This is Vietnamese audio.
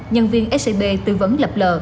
nhân viên scb tư vấn lập lờ